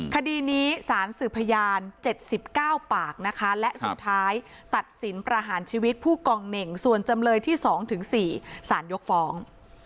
คดีนี้สารสืบพยาน๗๙ปากนะคะและสุดท้ายตัดสินประหารชีวิตผู้กองเหน่งส่วนจำเลยที่๒ถึง๔สารยกฟ้อง